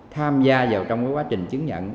tham gia vào trong quá trình chứng nhận